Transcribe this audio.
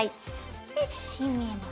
でしめます。